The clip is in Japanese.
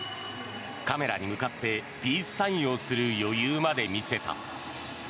カメラに向かってピースサインをする余裕まで見せた。